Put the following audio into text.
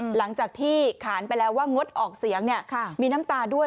หลังจากที่ขานไปแล้วว่างดออกเสียงมีน้ำตาด้วย